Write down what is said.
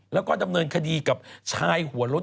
แล้วก็ดำเนินคดีกับชายหัวรถ